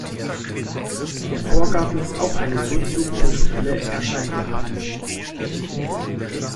Der Vorgarten ist auch eine soziokulturelle Erscheinung.